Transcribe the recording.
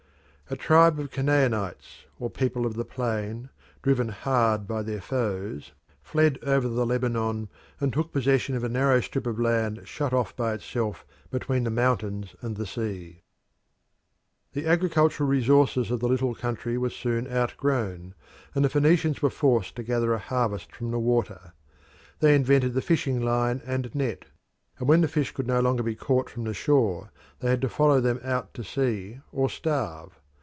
A tribe of Canaanites, or people of the plain, driven hard by their foes, fled over the Lebanon and took possession of a narrow strip of land shut off by itself between the mountains and the sea. The Phoenicians The agricultural resources of the little country were soon outgrown, and the Phoenicians were forced to gather a harvest from the water. They invented the fishing line and net, and when the fish could no longer be caught from the shore they had to follow them out to sea or starve.